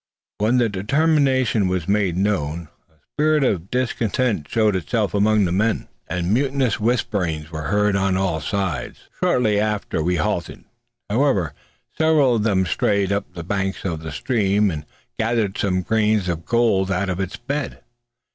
When this determination was made known, a spirit of discontent showed itself among the men, and mutinous whisperings were heard on all sides. Shortly after we halted, however, several of them strayed up the banks of the stream, and gathered some grains of gold out of its bed.